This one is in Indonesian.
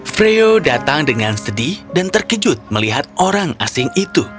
freo datang dengan sedih dan terkejut melihat orang asing itu